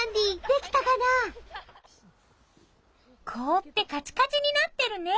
おすごい！凍ってカチカチになってるね。